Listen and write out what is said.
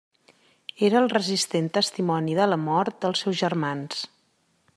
Era el resistent testimoni de la mort dels seus germans.